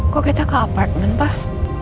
kok kita ke apartment pak